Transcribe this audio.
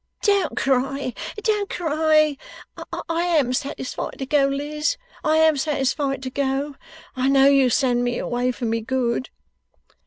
'Don't cry, don't cry! I am satisfied to go, Liz; I am satisfied to go. I know you send me away for my good.